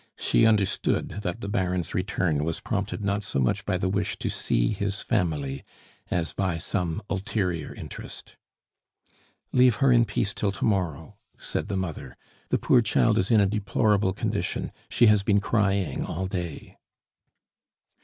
She understood that the Baron's return was prompted not so much by the wish to see his family as by some ulterior interest. "Leave her in peace till to morrow," said the mother. "The poor child is in a deplorable condition; she has been crying all day."